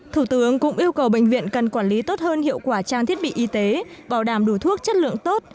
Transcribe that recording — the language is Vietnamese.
thủ tướng cũng yêu cầu bệnh viện cần quản lý tốt hơn hiệu quả trang thiết bị y tế bảo đảm đủ thuốc chất lượng tốt